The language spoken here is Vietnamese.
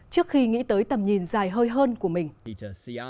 trước khi nghĩ tới tầm nhìn dài hơi hơn của mình